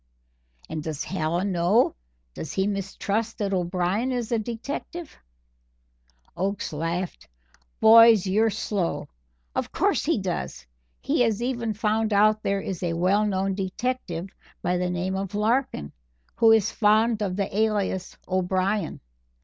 "And does Hallen know, does he mistrust that O'Brien is a detective?" Oakes laughed. "Boys, you're slow. Of course he does. He has even found out there is a well known detective by the name of Larkin who is fond of the alias O'Brien.